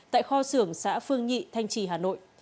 tại kho xưởng xã phương nhị thanh trì hà nội